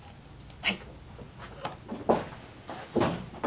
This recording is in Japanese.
はい。